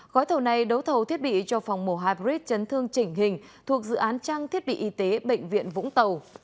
gói thầu này đấu thầu thiết bị cho phòng mổ hybrid chấn thương chỉnh hình thuộc dự án trang thiết bị y tế bệnh viện vũng tàu